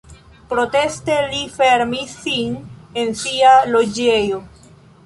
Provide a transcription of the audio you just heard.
Proteste li fermis sin en sia loĝejo.